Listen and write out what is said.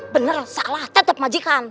bener salah tetep majikan